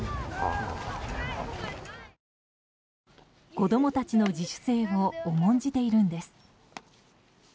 子供たちの自主性を重んじているんです。